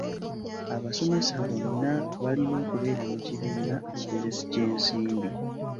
Abasomesa bonna balina okubeera mu kibiina ekiteresi ky'ensimbi.